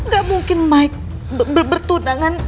gak mungkin mike bertunangan